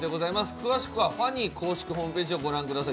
詳しくはＦＡＮＹ公式ホームページを御覧ください。